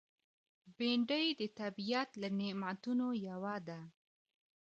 بېنډۍ د طبیعت له نعمتونو یوه ده